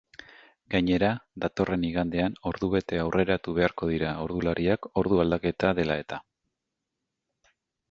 Gainera, datorren igandean ordubete aurreratu beharko dira ordulariak ordu aldaketa dela eta.